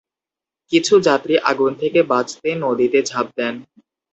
কিছু যাত্রী আগুন থেকে বাঁচতে নদীতে ঝাঁপ দেন।